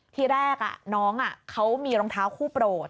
ที่แรกน้องเขามีรองเท้าคู่โปรด